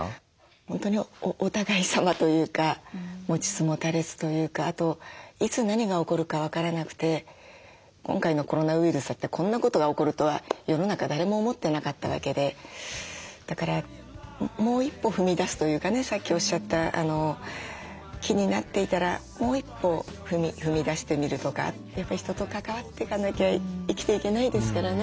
本当にお互いさまというか持ちつ持たれつというかあといつ何が起こるか分からなくて今回のコロナウイルスだってこんなことが起こるとは世の中誰も思ってなかったわけでだからもう一歩踏み出すというかねさっきおっしゃった気になっていたらもう一歩踏み出してみるとかやっぱり人と関わっていかなきゃ生きていけないですからね。